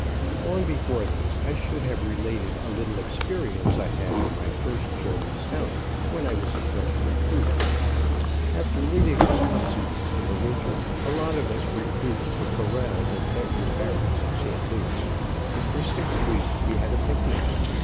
Long before this I should have related a little experience I had on my first journey south, when I was a fresh recruit. After leaving Wisconsin, in the winter, a lot of us recruits were corralled at Benton Barracks, St. Louis, and for six weeks we had a picnic.